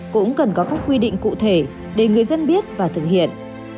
cũng cần có các quy định cụ thể để người dân biết và thực hiện